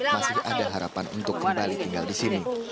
masih ada harapan untuk kembali tinggal di sini